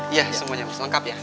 iya semuanya lengkap ya